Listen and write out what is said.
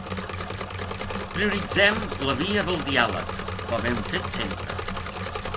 Prioritzem la via del diàleg, com hem fet sempre.